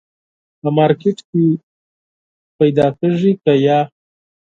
په مارکېټ کي پیدا کېږي که یه ؟